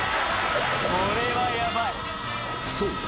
［そう。